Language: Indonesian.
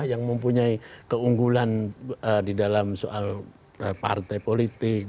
yang mempunyai keunggulan di dalam soal partai politik